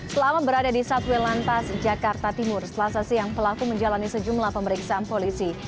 selama berada di satwil lantas jakarta timur selasa siang pelaku menjalani sejumlah pemeriksaan polisi